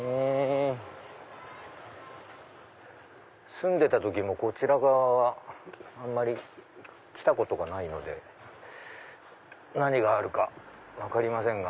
住んでた時もこちら側はあんまり来たことがないので何があるか分かりませんが。